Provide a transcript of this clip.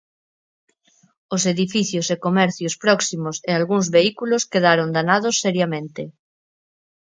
Os edificios e comercios próximos e algúns vehículos quedaron danados seriamente.